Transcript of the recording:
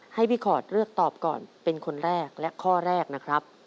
ให้พี่ขอดเลือกตอบก่อนเป็นคนแรกและข้อแรกนะครับ